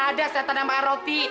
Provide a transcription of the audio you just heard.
mana ada setan yang makan roti